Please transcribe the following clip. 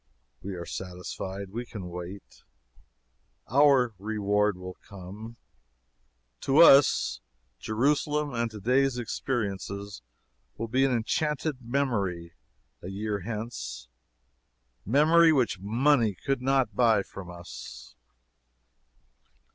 We are satisfied. We can wait. Our reward will come. To us, Jerusalem and to day's experiences will be an enchanted memory a year hence memory which money could not buy from us.